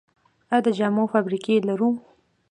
آیا د جامو فابریکې لرو؟